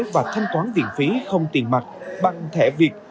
và thanh toán viện phí không tiền mặt bằng thẻ việt